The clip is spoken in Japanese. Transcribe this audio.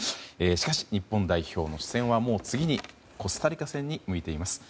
しかし、日本代表の視線はもう次のコスタリカ戦に向いています。